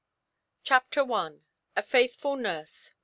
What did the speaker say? Chapter 1: A Faithful Nurse.